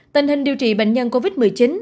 tình hình điều trị bệnh nhân covid một mươi chín